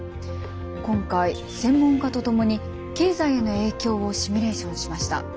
今回専門家と共に経済への影響をシミュレーションしました。